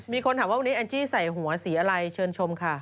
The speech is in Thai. มีคนถามว่าวันนี้แอนจี้ใส่หัวสีอะไรเชิญชมค่ะ